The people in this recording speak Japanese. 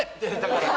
だから！